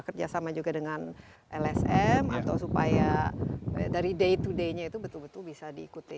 kerjasama juga dengan lsm atau supaya dari day to day nya itu betul betul bisa diikuti